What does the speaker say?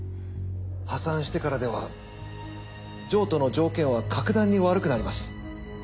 破産してからでは譲渡の条件は格段に悪くなります。